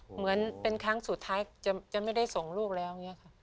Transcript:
เหมือนเป็นครั้งสุดท้ายจะไม่ได้ส่งลูกแล้ว